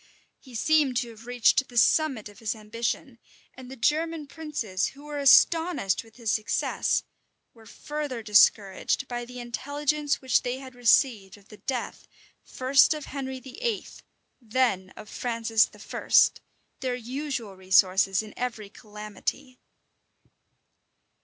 He seemed to have reached the summit of his ambition; and the German princes, who were astonished with his success, were further discouraged by the intelligence which they had received of the death, first of Henry VIII., then of Francis I., their usual resources in every calamity.